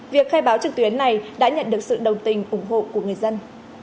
việc khai báo trực tuyến này đã nhận được sự đồng tình ủng hộ của người dân